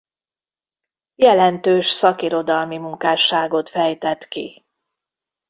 Jelentős szakirodalmi munkásságot fejtett ki.